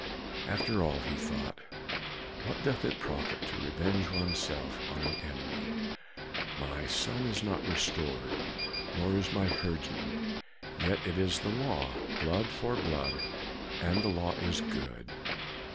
"After all," he thought, "what doth it profit to revenge oneself on an enemy? My son is not restored, nor is my herdsman. Yet it is the law, blood for blood, and the law is good."